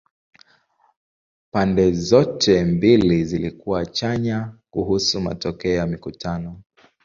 Pande zote mbili zilikuwa chanya kuhusu matokeo ya mikutano.